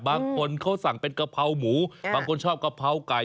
บางคนเขาสั่งเป็นกะเพราหมูบางคนชอบกะเพราไก่